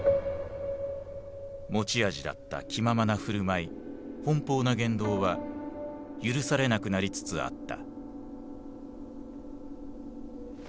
持ち味だった気ままな振る舞い奔放な言動は許されなくなりつつあった。